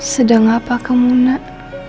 sedang apa kamu nak